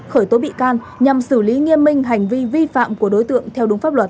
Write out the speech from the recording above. khởi tố bị can nhằm xử lý nghiêm minh hành vi vi phạm của đối tượng theo đúng pháp luật